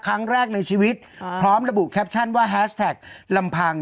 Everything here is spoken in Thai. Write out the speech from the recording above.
ครั้งแรกในชีวิตพร้อมระบุแคปชั่นว่าแฮสแท็กลำพัง